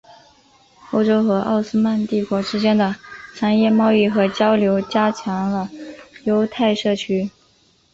欧洲和奥斯曼帝国之间的商业贸易和交流加强了犹太社区。